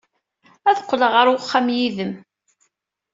Ad d-qqleɣ ɣer uxxam yid-m.